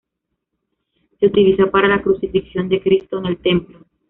Se utiliza para la crucifixión de cristo en el templo.